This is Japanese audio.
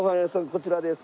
こちらです。